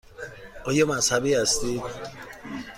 آیا مذهبی هستید؟